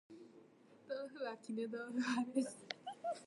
豆腐は絹豆腐派です